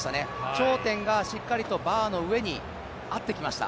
頂点がしっかりとバーの上に合ってきました。